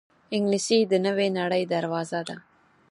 انګلیسي د نوې نړۍ دروازه ده